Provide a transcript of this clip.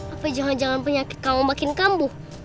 apa jalan jalan penyakit kamu makin kampuh